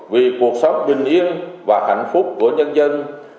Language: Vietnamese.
vì cuộc sống bình yên và hạnh phúc của nhân dân